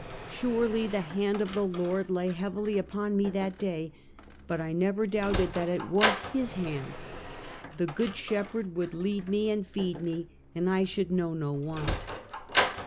Surely the hand of the Lord lay heavily upon me that day, but I never doubted that it was His hand. The Good Shepherd would lead me and feed me and I should know no want.